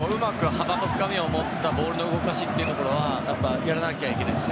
僕はピッチのうまく幅と深みを持ったボールの動かしというところをやらなきゃいけないです。